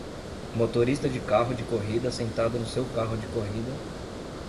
Motorista de carro de corrida sentado no seu carro de corrida